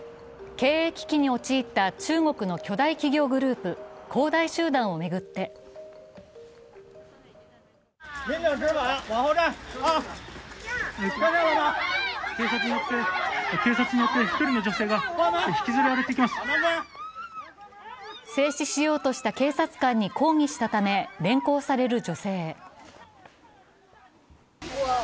経営危機に陥った中国の巨大企業グループ、恒大集団を巡って制止しようとした警察官に抗議したため連行される女性。